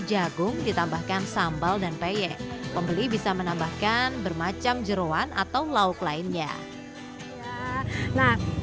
jagung ditambahkan sambal dan peye pembeli bisa menambahkan bermacam jeruan atau lauk lainnya nah